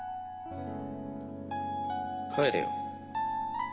帰れよ。